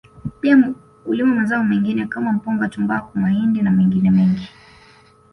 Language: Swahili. Pia hulima mazao mengine kama mpunga tumbaku mahindi na mengine mengi